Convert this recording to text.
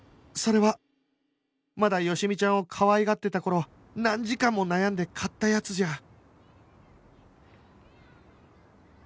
それはまだ好美ちゃんをかわいがってた頃何時間も悩んで買ったやつじゃ